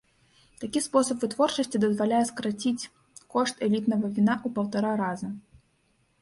Такі спосаб вытворчасці дазваляе скараціць кошт элітнага віна ў паўтара раза.